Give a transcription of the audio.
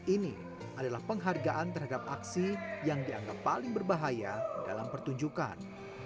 ini adalah penghargaan terhadap aksi yang dianggap paling berbahaya dalam pertunjukan